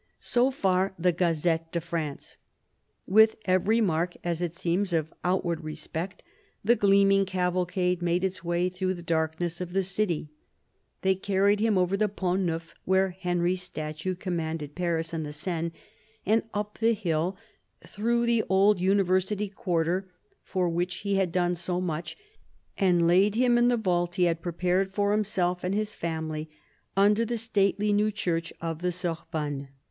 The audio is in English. So far the Gazette de France. With every mark, as it seems, of outward respect, the gleaming cavalcade made its way through the darkness of the city. They carried him over the Pont Neuf, where Henry's statue commanded Paris and the Seine, and up the hill, through the old University quarter for which he had done so much, and laid him in the vault he had prepared for himself and his family under the stately new Church of the Sorbonne.